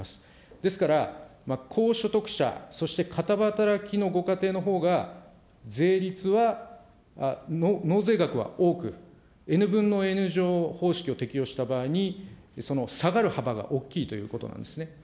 ですから、高所得者、そして片働きのご家庭のほうが、税率は、納税額は多く、Ｎ分のＮ乗方式を適用した場合に、その下がる幅が大きいということなんですね。